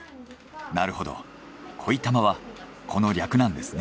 なるほど恋たまはこの略なんですね。